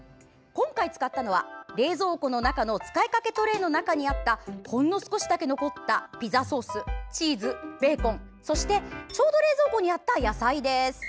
今回使ったのは、冷蔵庫の中の使いかけトレーの中にあったほんの少しだけ残ったピザソースチーズ、ベーコンそして、ちょうど冷蔵庫にあった野菜です。